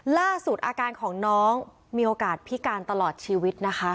ล่าสุดอาการของน้องมีโอกาสพิการตลอดชีวิตนะคะ